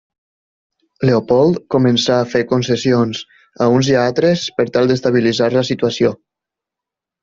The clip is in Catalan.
Leopold començà a fer concessions a uns i altres per tal d'estabilitzar la situació.